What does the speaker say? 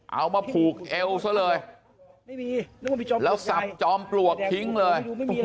เอามาผูกเอลเสียเลยแล้วสร้างจอห์มปลวกคิ๊งเลย